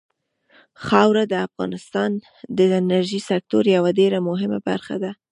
خاوره د افغانستان د انرژۍ سکتور یوه ډېره مهمه برخه ده.